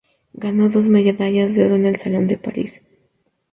Ganó dos medallas de oro en el Salón de París.